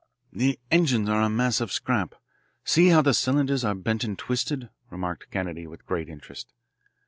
"The engines are a mass of scrap; see how the cylinders are bent and twisted," remarked Kennedy with great interest.